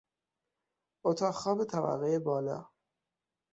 اتاق خواب طبقهی بالا